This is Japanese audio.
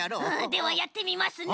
ではやってみますね。